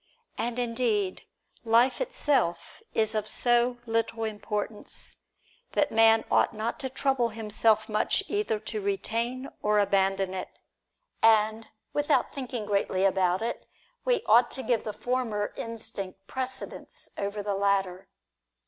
And indeed, life itself is of so little importance, that man ought not to trouble himself much either to retain or abandon it; and, without thinking greatly about it, we ought to give the former instinct precedence over the latter.